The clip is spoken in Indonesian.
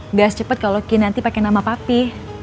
nggak secepet kalau kinanti pakai nama papi